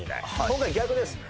今回は逆です。